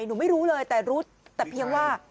หนูไม่รู้เลยแต่รู้แต่เพียงว่า